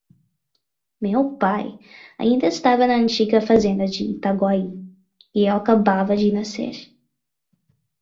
meu pai ainda estava na antiga fazenda de Itaguaí, e eu acabava de nascer.